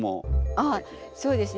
あっそうですね。